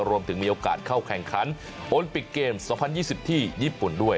มีโอกาสเข้าแข่งขันโอลิปิกเกม๒๐๒๐ที่ญี่ปุ่นด้วย